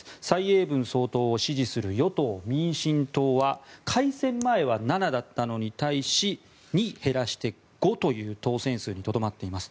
蔡英文総統を支持する与党・民進党は改選前は７だったのに対し２減らして５という当選数にとどまっています。